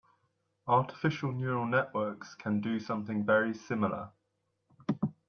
Artificial neural networks can do something very similar.